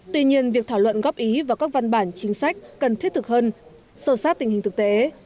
tuy nhiên việc thảo luận góp ý và các văn bản chính sách cần thiết thực hơn sâu sát tình hình thực tế